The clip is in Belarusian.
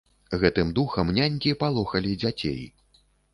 Гэтым духам нянькі палохалі дзяцей.